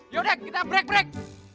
yaudah kita break break